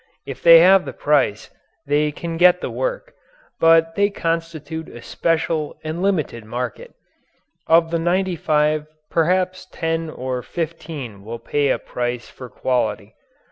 If they have the price, they can get the work, but they constitute a special and limited market. Of the ninety five perhaps ten or fifteen will pay a price for quality.